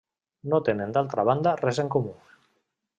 No tenen d'altra banda res en comú.